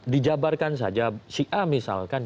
dijabarkan saja si a misalkan